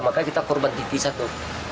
maka kita korban tv satu